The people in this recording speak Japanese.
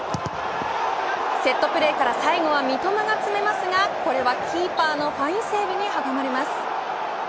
セットプレーから最後は三笘が詰めますがこれはキーパーのファインセーブに阻まれます。